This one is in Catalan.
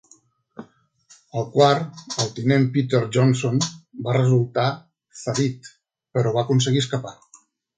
El quart, el tinent Peter Johnson, va resultar ferit, però va aconseguir escapar.